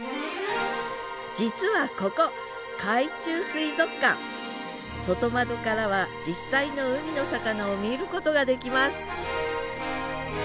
実はここ外窓からは実際の海の魚を見ることができます